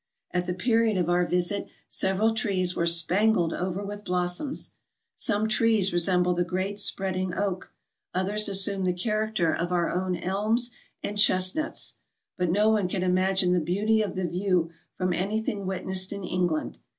At the period of our visit several trees were spangled over with blossoms. Some trees resemble the great spreading oak, others assume the character of our own elms and chest nuts ; but no one can imagine the beauty of the view from anything witnessed in England.